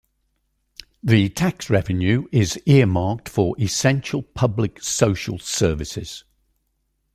The tax revenue is earmarked for essential public social services.